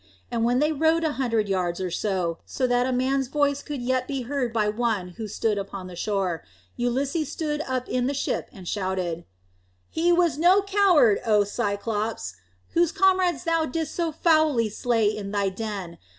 And when they had rowed a hundred yards or so, so that a man's voice could yet be heard by one who stood upon the shore, Ulysses stood up in the ship and shouted: "He was no coward, O Cyclops, whose comrades thou didst so foully slay in thy den.